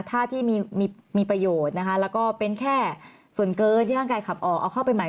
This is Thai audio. ท่าที่มีประโยชน์นะคะแล้วก็เป็นแค่ส่วนเกินที่ร่างกายขับออกเอาเข้าไปใหม่